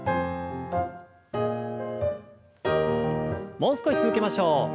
もう少し続けましょう。